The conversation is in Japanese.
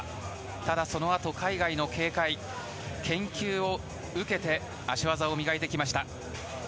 ただ、そのあと海外の警戒や研究を受けて足技を磨いてきました。